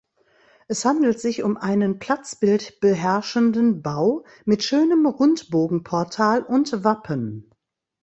Es handelt sich um einen platzbildbeherrschenden Bau mit schönem Rundbogenportal und Wappen.